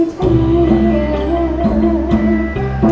สวัสดีครับ